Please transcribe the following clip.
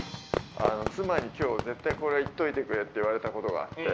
妻に「今日絶対これ言っといてくれ」って言われた事があって。